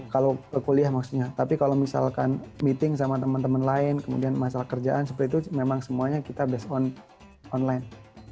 kalau kuliah maksudnya tapi kalau misalkan meeting sama teman teman lain kemudian masalah kerjaan seperti itu memang semuanya kita based online